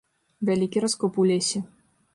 Вялікі раскоп у лесе.